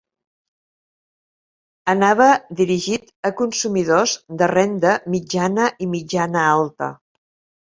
Anava dirigit a consumidors de renda mitjana i mitjana-alta.